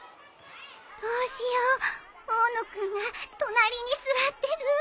どうしよう大野君が隣に座ってる